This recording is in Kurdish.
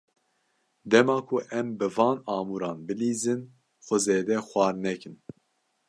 Dema ku em bi van amûran bilîzin, xwe zêde xwar nekin.